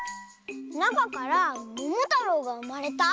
なかからももたろうがうまれた？